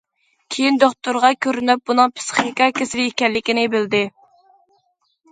كېيىن دوختۇرغا كۆرۈنۈپ بۇنىڭ پىسخىكا كېسىلى ئىكەنلىكىنى بىلدى.